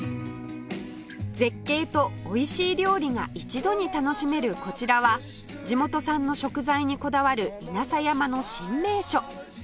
絶景とおいしい料理が一度に楽しめるこちらは地元産の食材にこだわる稲佐山の新名所